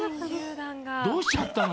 どうしちゃったの？